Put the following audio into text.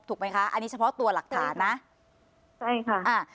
ถูกไหมคะอันนี้เฉพาะตัวหลักฐานนะใช่ค่ะอ่า